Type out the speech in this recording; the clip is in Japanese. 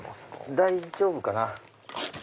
大丈夫かな。